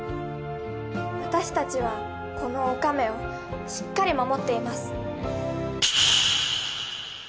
私たちはこの「おかめ」をしっかり守っています！